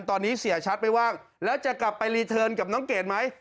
ตอนนี้เสียชัดไม่ว่างแล้วจะกลับไปรีเทิร์นกับน้องเกดไหม